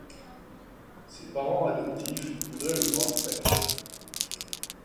Ses parents adoptifs voudraient le voir prêtre.